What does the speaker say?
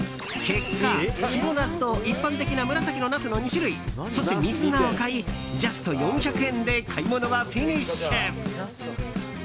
結果、白ナスと一般的な紫のナスの２種類そして、水菜を買いジャスト４００円で買い物はフィニッシュ。